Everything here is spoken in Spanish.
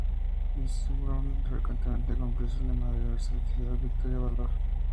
El "Jesse L. Brown" frecuentemente cumplió con su lema de versatilidad, Victoria, Valor.